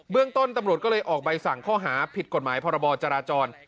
เรื่องต้นตำรวจก็เลยออกใบสั่งข้อหาผิดกฎหมายพรบจราจร